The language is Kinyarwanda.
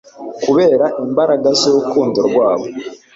kubera imbaraga z'urukundo rwabo